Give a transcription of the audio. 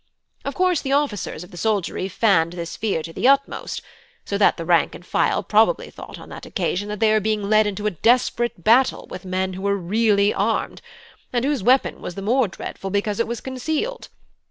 Of course the officers of the soldiery fanned this fear to the utmost, so that the rank and file probably thought on that occasion that they were being led into a desperate battle with men who were really armed, and whose weapon was the more dreadful, because it was concealed.